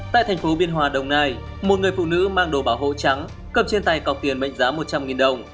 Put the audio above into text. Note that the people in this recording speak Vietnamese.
tại thành phố biên hòa đồng nai một người phụ nữ mang đồ bảo hộ trắng cầm trên tay cọc tiền mệnh giá một trăm linh đồng